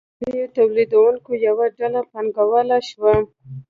د کوچنیو تولیدونکو یوه ډله پانګواله شوه.